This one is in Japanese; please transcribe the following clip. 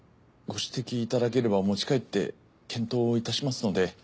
ご指摘いただければ持ち帰って検討いたしますので。